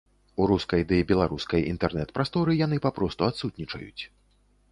У рускай ды беларускай інтэрнэт-прасторы яны папросту адсутнічаюць.